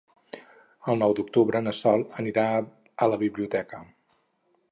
El nou d'octubre na Sol anirà a la biblioteca.